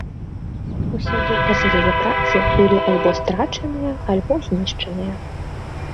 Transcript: Усе доказы яе працы былі альбо страчаныя, альбо знішчаныя.